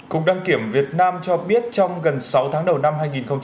cục đăng kiểm việt nam cho biết trong gần sáu tháng đầu năm hai nghìn hai mươi